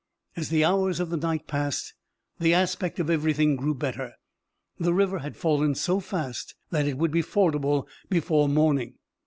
As the hours of the night passed the aspect of everything grew better. The river had fallen so fast that it would be fordable before morning.